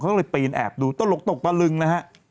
เขาก็เลยปีนแอบดูตลกตกตะลึงนะฮะ